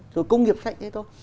rồi công nghiệp sạch thế thôi